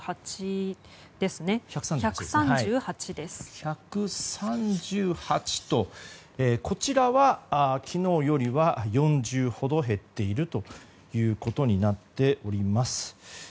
１３８とこちらは昨日よりも４０ほど減っているということになります。